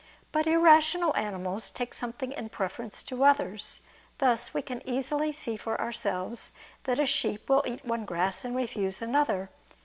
But irrational animals take something in preference to others: thus we can easily see for ourselves that a sheep will eat one grass and refuse another.